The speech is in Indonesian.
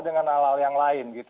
dengan hal hal yang lain gitu